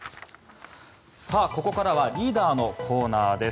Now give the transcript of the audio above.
ここからはリーダーのコーナーです。